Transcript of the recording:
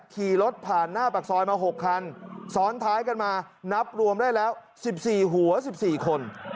ขี่รถผ่านหน้าปากซอยมา๖คันซ้อนท้ายกันมานับรวมได้แล้ว๑๔หัว๑๔คน